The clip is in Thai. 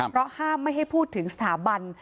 เพราะห้ามไม่ให้พูดถึงสถาบัน